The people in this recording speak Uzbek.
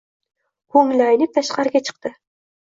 Ko`ngli aynib tashqariga chiqdi